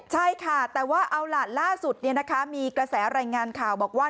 ใช่ค่ะแต่ว่าเอาล่ะล่าสุดมีกระแสรายงานข่าวบอกว่า